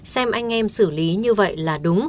xem anh em xử lý như vậy là đúng